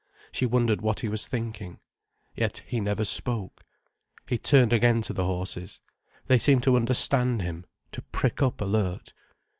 She wondered what he was thinking. Yet he never spoke. He turned again to the horses. They seemed to understand him, to prick up alert.